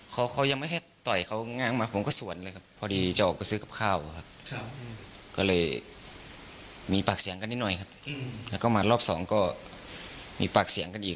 เคยมีปากเสียงกันนิดหน่อยครับแล้วก็มารอบสองก็มีปากเสียงกันอีก